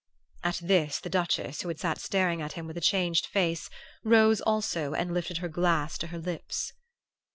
"At this the Duchess, who had sat staring at him with a changed face, rose also and lifted her glass to her lips.